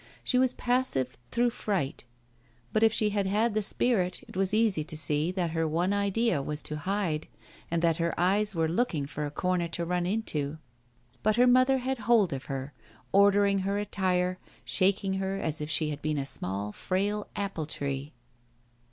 She was passive through fright, but if she had had the spirit, it was easy to see that her one idea was to hide, and that her eyes were looking for a corner to run into. But her mother had hold of her, ordering her attire, shaking her as if she had been a small frail apple tree.